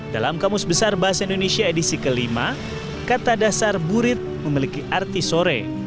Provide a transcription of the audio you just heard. dalam kamus besar bahasa indonesia edisi kelima kata dasar burit memiliki arti sore